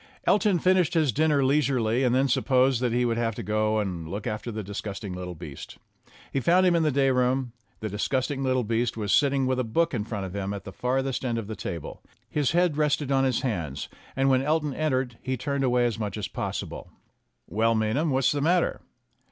Elton finished his dinner leisurely and then supposed that he would have to go and look after the dis gusting little beast. He found him in the day room. The disgusting little beast was sitting with a book in front of him at the further end of the table. His head rested on his hands, and when Elton entered he turned away as much as possible. "Well, Maynham, what's the matter?"